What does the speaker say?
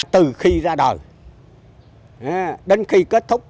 từ khi ra đời đến khi kết thúc